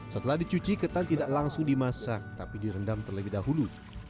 setelah dicuci ketan tidak langsung dimasak tapi direndam terlebih dahulu